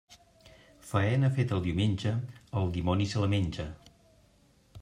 Faena feta el diumenge, el dimoni se la menge.